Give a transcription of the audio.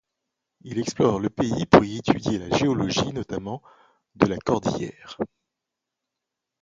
Il explore le pays pour y étudier la géologie, notamment de la cordillère.